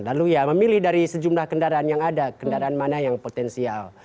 lalu ya memilih dari sejumlah kendaraan yang ada kendaraan mana yang potensial